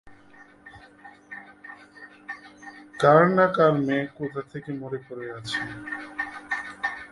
কার-না-কার মেয়ে, কোথায় এসে মরে পড়ে আছে।